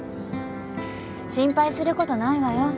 心配する事ないわよ。